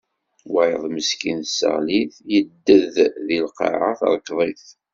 Wayeḍ meskin tesseɣli-t, yedded di lqaɛa, terkeḍ-it.